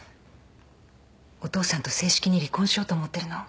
お父さんと正式に離婚しようと思ってるの。